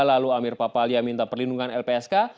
lalu amir papalia minta perlindungan lpsk